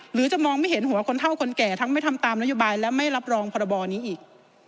หรือจะมองไม่เห็นหัวคนเท่าคนแก่ทั้งไม่ทำตามนโยบายและไม่รับรองพรบนี้อีก